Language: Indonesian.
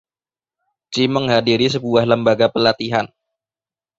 Jim menghadiri sebuah lembaga pelatihan.